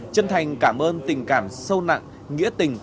chân thành cảm ơn tình cảm sâu nặng nghĩa tình